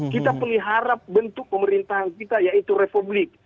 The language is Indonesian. kita pelihara bentuk pemerintahan kita yaitu republik